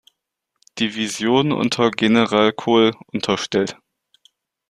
Division unter General Cole unterstellt.